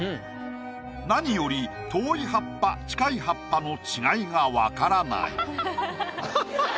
何より遠い葉っぱ近い葉っぱの違いが分からない。